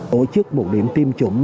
tổ chức bộ điểm tiêm chủng